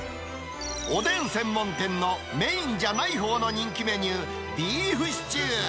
おでん専門店のメインじゃないほうの人気メニュー、ビーフシチュー。